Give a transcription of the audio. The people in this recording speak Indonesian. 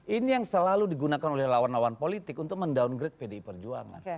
ini yang selalu digunakan oleh lawan lawan politik untuk mendowngrade pdi perjuangan